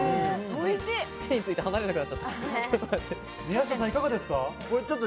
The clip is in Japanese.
手について離れなくなっちゃった。